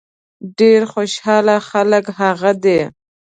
ډېر خوشاله خلک هغه دي.